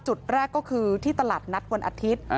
จุดแรกก็คือที่ตลาดนัดวันอาทิตย์